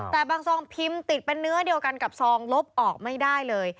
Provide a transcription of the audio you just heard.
แต่บางซองพิมพ์ติดเป็นเนื้อเดียวกันกับซองลบออกไม่ได้เลย